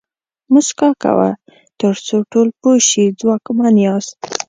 موسکا کوه تر څو ټول پوه شي ځواکمن یاست.